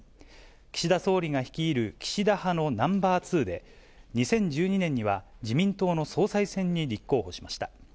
岸田総理が率いる岸田派のナンバー２で、２０１２年には自民党の総裁選に立候補しました。